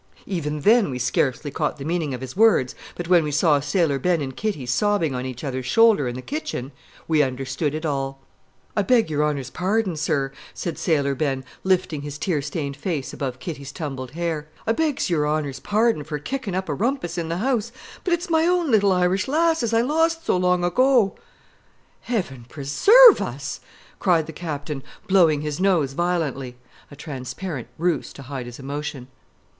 Even then we scarcely caught the meaning of his words, but when we saw Sailor Ben and Kitty sobbing on each other's shoulder in the kitchen, we understood it all. "I begs your honor's parden, sir," said Sailor Ben, lifting his tear stained face above Kitty's tumbled hair; "I begs your honor's parden for kicking up a rumpus in the house, but it's my own little Irish lass as I lost so long ago!" "Heaven preserve us!" cried the Captain, blowing his nose violently a transparent ruse to hide his emotion.